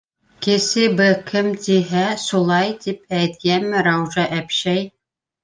Кесе бы кем тиһә, сулай тип әйт, йәме, Раужа әпшәй?